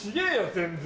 全然。